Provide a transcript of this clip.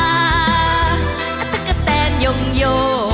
อัตตะกะแตนโยงโย